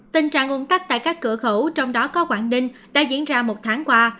tình trạng ôm tắt tại các cửa khẩu trong đó có quảng ninh đã diễn ra một tháng qua